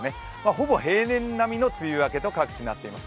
ほぼ平年並みの梅雨明けと、各地なっています。